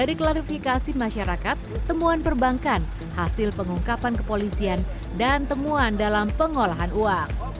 dari klarifikasi masyarakat temuan perbankan hasil pengungkapan kepolisian dan temuan dalam pengolahan uang